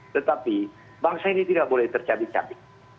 tetapi bangsa ini tidak boleh tercabik cabik